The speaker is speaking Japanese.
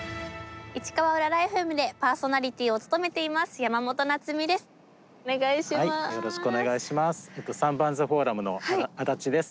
市川うららＦＭでパーソナリティーを務めています山本菜摘です。